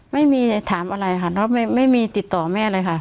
ไม่มีถามอะไรค่ะน้องไม่มีติดต่อแม่เลยค่ะ